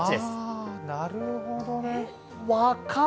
なるほどね。